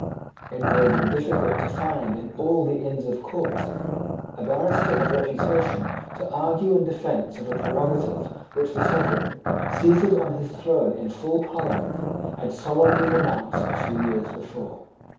It would have been difficult to find in all the Inns of Court a barrister of reputation to argue in defence of a prerogative which the Sovereign, seated on his throne in full Parliament, had solemnly renounced a few years before.